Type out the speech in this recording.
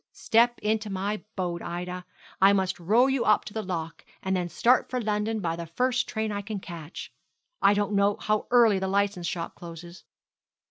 Step into my boat, Ida; I must row you up to the lock, and then start for London by the first train I can catch. I don't know how early the licence shop closes.'